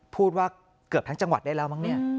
พูดว่าเกือบทั้งจังหวัดได้แล้วมั้งเนี่ย